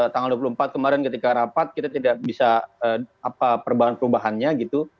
tanggal dua puluh empat kemarin ketika rapat kita tidak bisa apa perubahan perubahannya gitu